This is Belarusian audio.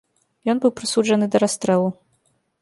Ён быў прысуджаны да расстрэлу.